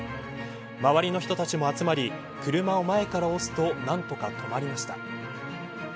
周りの人たちも集まり車を前から押すと何とか止まりました。